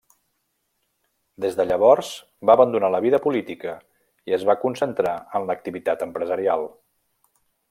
Des de llavors va abandonar la vida política i es va concentrar en l'activitat empresarial.